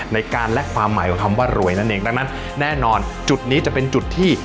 ในการและความหมายของคำว่ารวยนั่นเองดังนั้นแน่นอนจุดนี้จะเป็นจุดที่